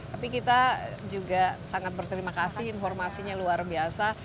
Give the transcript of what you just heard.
tapi kita juga sangat berterima kasih informasinya luar biasa